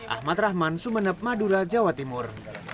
ahmad rahman sumeneb madura jawa timur